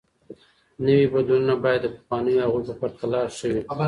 نوي بدلونونه بايد د پخوانيو هغو په پرتله ښه وي.